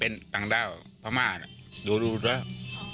เป็นต่างด้าวประมาณดูรู้แล้ว